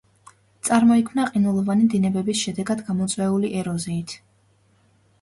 წარმოიქმნა ყინულოვანი დინებების შედეგად გამოწვეული ეროზიით.